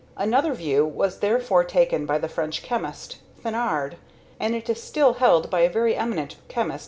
Another view was therefore taken by the French chemist, Thenard, and it is still held by a very eminent chemist, M.